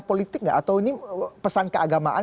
politik nggak atau ini pesan keagamaan